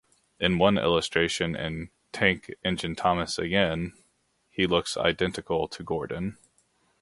In one illustration in "Tank Engine Thomas Again", he looks identical to Gordon.